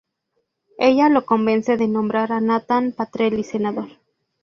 Ella lo convence de nombrar a Nathan Petrelli senador.